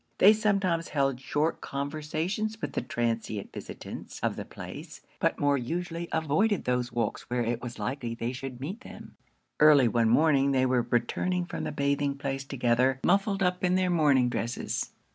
They sometimes held short conversations with the transient visitants of the place, but more usually avoided those walks where it was likely they should meet them. Early one morning, they were returning from the bathing place together, muffled up in their morning dresses.